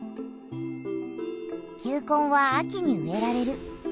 球根は秋に植えられる。